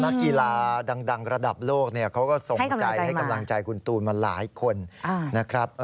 นักกีฬาดังระดับโลกเขาก็ส่งใจให้กำลังใจคุณตูนมาหลายคนนะครับ